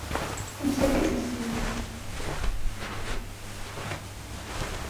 Ugiye kwicuza ibi.